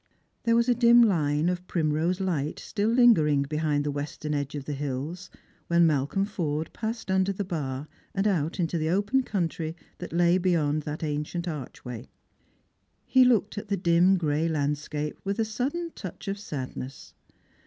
There was a dim line of primrose light still lingering behind the western edge of the hills when Malcolm Forde passed under the Bar, and out into the open country that lay beyond that ancient archway. He looked at the dim gray landscape with a sudden touch of sadness.